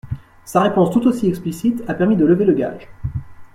Sa réponse tout aussi explicite a permis de lever le gage.